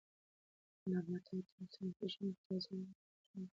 نباتات د انسان په ژوند کې د تازه والي او خوشالۍ نښه ګڼل کیږي.